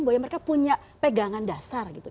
bahwa mereka punya pegangan dasar gitu